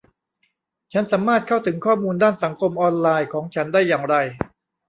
ฉันสามารถเข้าถึงข้อมูลด้านสังคมออนไลน์ของฉันได้อย่างไร